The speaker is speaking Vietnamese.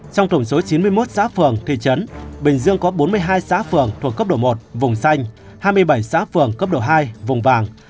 trong tổng số chín mươi một xã phường thị trấn bình dương có bốn mươi hai xã phường thuộc cấp độ một vùng xanh hai mươi bảy xã phường cấp độ hai vùng vàng